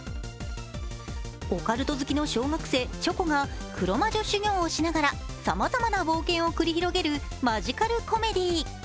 オカルト好きの小学生、チョコが黒魔女修行をしながらさまざまな冒険を繰り広げるマジカルコメディー。